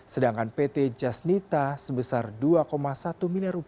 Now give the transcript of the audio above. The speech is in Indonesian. sedangkan pt jasnita sebesar rp dua satu miliar